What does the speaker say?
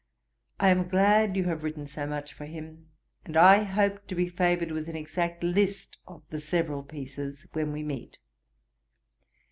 I am glad you have written so much for him; and I hope to be favoured with an exact list of the several pieces when we meet.